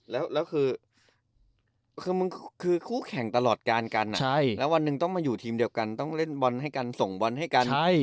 แล้วคือคู่แข่งตลอดการกันแล้ววันหนึ่งต้องมาอยู่ทีมเดียวกันต้องเล่นบอลให้กันส่งบอลให้กัน